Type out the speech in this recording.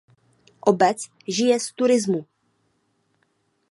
Obec žije z turismu.